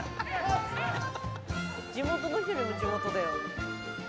地元の人よりも地元だよね。